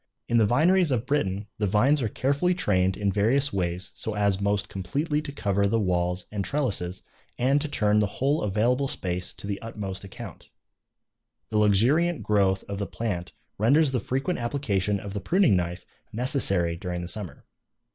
In the vineries of Britain the vines are carefully trained in various ways so as most completely to cover the walls and trellises and to turn the whole available space to the utmost account. The luxuriant growth of the plant renders the frequent application of the pruning knife necessary during the summer.